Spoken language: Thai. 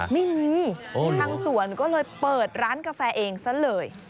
ไม่มีทางสวนก็เลยเปิดร้านกาแฟเองซะเลย